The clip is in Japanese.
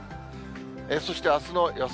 そして、あすの予想